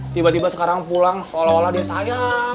tiba tiba sekarang pulang seolah olah dia sayang